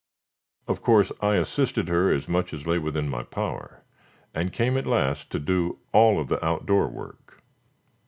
Of course, I assisted her as much as lay within my power, and came at last to do all of the out door work.